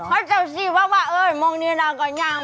ย่ายดาวจะมาเล่าข่าว